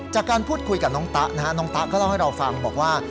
จากการพูดคุยกับน้องตะนะฮะน้องตะก็เล่าให้เราฟังบอกว่า